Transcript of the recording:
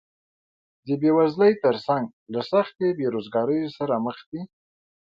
د بېوزلۍ تر څنګ له سختې بېروزګارۍ سره مخ دي